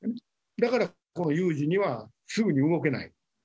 だからこの有事にはすぐに動けない。